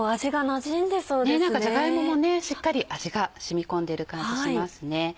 じゃが芋もしっかり味が染み込んでる感じしますね。